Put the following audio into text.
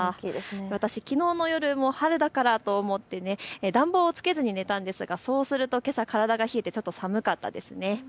私、きのうの夜も暖房をつけずに寝たんですが、そうするとけさ、体が冷えてちょっと寒かったです。